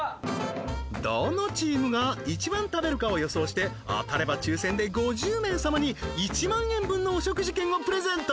どのチームが一番食べるかを予想して当たれば抽選で５０名様に１万円分のお食事券をプレゼント